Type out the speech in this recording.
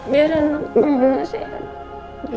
biar nino sehat